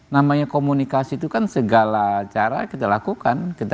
namanya komunikasi itu kan segala cara kita lakukan